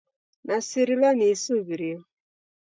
Nasirilwa ni isuw'irio.